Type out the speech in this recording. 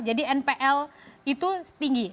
jadi npl itu tinggi